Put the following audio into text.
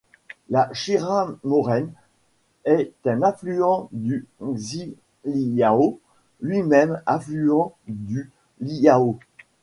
La Shira Mören est un affluent du Xiliao, lui-même affluent du Liao.